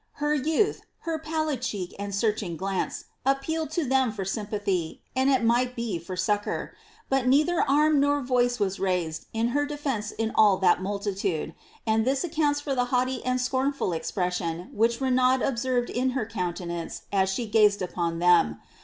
Her yootli| her [)allid cheek and searching glance, appealed to them for sympathy, and it mt^ht be for succour ; but neither arm nor voice was raised ia her defence in all that multitude ; and this accounts for the haughty and scornful expression which Renaud observed in her countenance as sha icazed upon them.